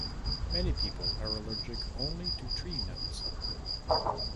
Many people are allergic only to tree nuts.